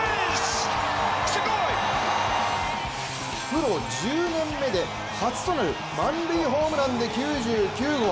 プロ１０年目で初となる満塁ホームランで９９号。